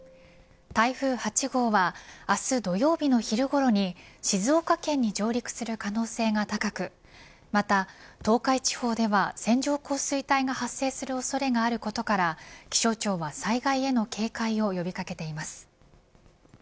台風８号は明日土曜日の昼ごろに静岡県に上陸する可能性が高くまた東海地方では線状降水帯が発生する恐れがあることから気象庁は災害への警戒を呼び掛けています。